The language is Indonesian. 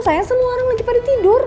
saya semua orang lagi pada tidur